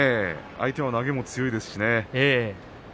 相手は投げも強いですしね。